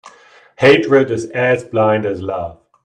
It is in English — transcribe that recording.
Hatred is as blind as love.